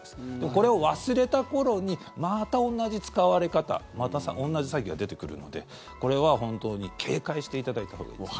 これを忘れた頃にまた同じ使われ方また同じ詐欺が出てくるのでこれは本当に警戒していただいたほうがいいです。